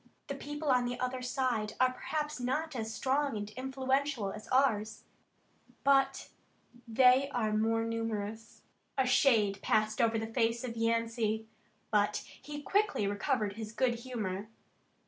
The people on the other side are perhaps not as strong and influential as ours, but they are more numerous." A shade passed over the face of Yancey, but he quickly recovered his good humor.